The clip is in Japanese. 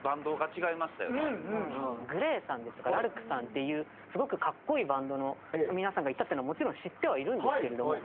ＧＬＡＹさんですとかラルクさんっていうすごく格好いいバンドの皆さんがいたっていうのはもちろん知ってはいるんですけれども。